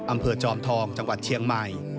อำเภอจอมทองจังหวัดเชียงใหม่